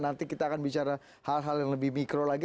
nanti kita akan bicara hal hal yang lebih mikro lagi